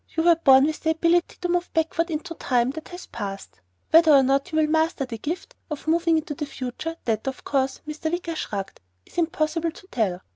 You were born with the ability to move backward into time that has passed. Whether or not you will ever master the gift of moving into the future, that, of course" Mr. Wicker shrugged "is impossible to tell.